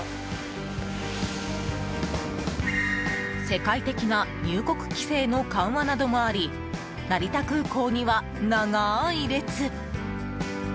世界的な入国規制の緩和などもあり成田空港には長い列。